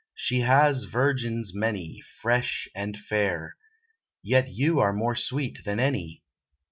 She has virgins many, Fresh and fair; Yet you are More sweet than any.